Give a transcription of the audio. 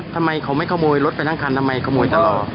ทำไมเขาไม่ขโมยรถไปทั้งคันทำไมขโมยตลอด